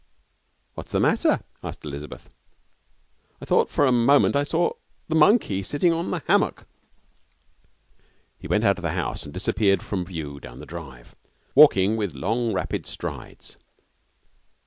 'What's the matter?' asked Elizabeth. 'I thought for a moment I saw the monkey sitting on the hammock.' He went out of the house and disappeared from view down the drive, walking with long, rapid strides.